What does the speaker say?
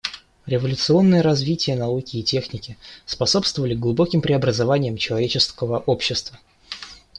Революционное развитие науки и техники способствовали глубоким преобразованиям человеческого общества.